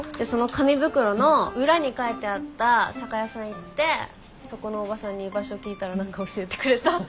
その紙袋の裏に書いてあった酒屋さん行ってそこのおばさんに場所聞いたら何か教えてくれた。